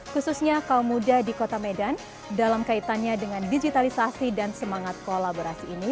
khususnya kaum muda di kota medan dalam kaitannya dengan digitalisasi dan semangat kolaborasi ini